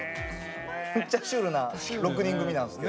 むっちゃシュールな６人組なんですけど。